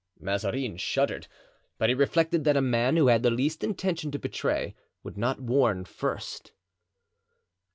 Mazarin shuddered, but he reflected that a man who had the least intention to betray would not warn first.